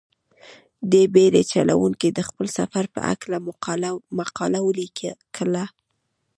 دې بېړۍ چلوونکي د خپل سفر په هلکه مقاله ولیکله.